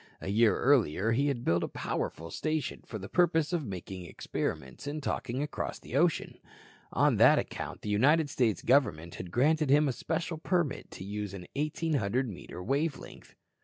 A year earlier he had built a powerful station for the purpose of making experiments in talking across the ocean. On that account the United States Government had granted him a special permit to use an 1,800 metre wave length.